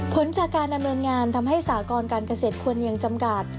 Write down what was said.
ผลจากการดำเนินงานทำให้สากรการเกษตรควรยังจำกัด